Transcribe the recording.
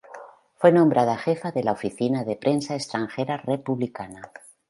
Fue nombrada jefa de la Oficina de Prensa Extranjera republicana.